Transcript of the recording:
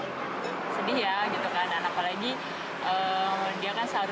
pembeli di bali juga tidak tahu